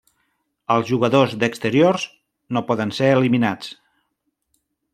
Els jugadors d'exteriors no poden ser eliminats.